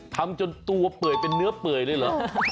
ทำจนตัวเปื่อยเป็นเนื้อเปื่อยเลยเหรอ